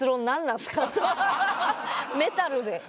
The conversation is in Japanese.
メタルで。